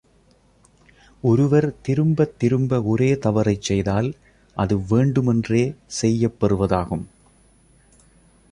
ஒருவர் திரும்ப திரும்ப ஒரே தவறைச் செய்தால் அது வேண்டும் என்றே செய்யப் பெறுவதாகும்.